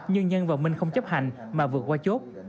nhưng nhân và minh không chấp hành mà vượt qua chốt